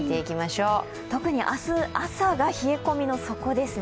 特に明日朝が冷え込みの底ですね。